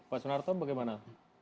pak sunarto bagaimana